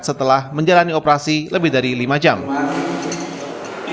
setelah menjalani operasi pengangkatan tumor gusi